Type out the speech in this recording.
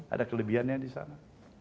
ada kelebihannya di sana